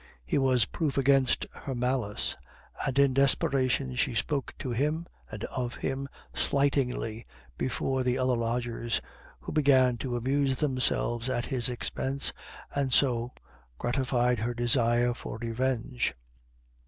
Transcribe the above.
He was proof against her malice, and in desperation she spoke to him and of him slightingly before the other lodgers, who began to amuse themselves at his expense, and so gratified her desire for revenge.